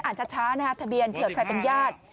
ช้านะฮะทะเบียนเผื่อใครเป็นญาติ